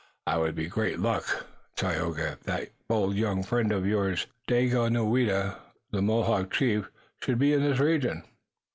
'Twould be great luck, Tayoga, if that bold young friend of yours, Daganoweda, the Mohawk chief, should be in this region."